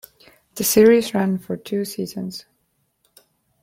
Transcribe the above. The series ran for two seasons.